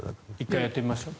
１回、やってみましょう。